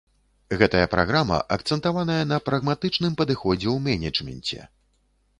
Гэтая праграма акцэнтаваная на прагматычным падыходзе ў менеджменце.